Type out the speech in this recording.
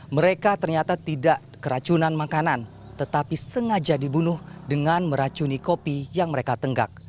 mereka ternyata tidak keracunan makanan tetapi sengaja dibunuh dengan meracuni kopi yang mereka tenggak